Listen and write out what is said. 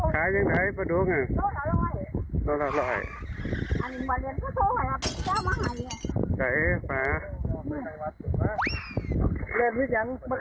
จับนายเลย